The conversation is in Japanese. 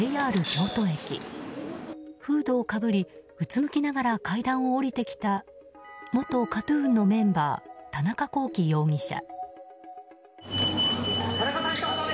フードをかぶり、うつむきながら階段を下りてきた元ＫＡＴ‐ＴＵＮのメンバー田中聖容疑者。